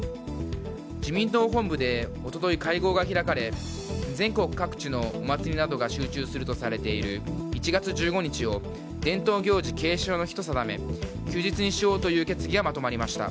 自民党本部で一昨日会合が開かれ全国各地のお祭りなどが集中するとされている１月１５日を伝統行事継承の日と定め休日にしようという決議がまとまりました。